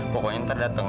pokoknya ntar dateng